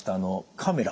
カメラ